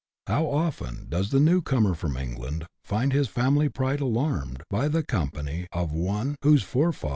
How often does the new comer from England find his family pride alarmed by the company of one whose forefathers' CHAP.